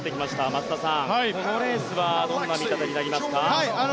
松田さん、このレースはどんな見立てになりますか？